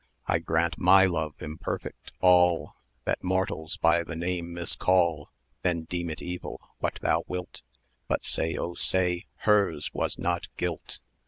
1140 I grant my love imperfect, all That mortals by the name miscall; Then deem it evil, what thou wilt; But say, oh say, hers was not Guilt!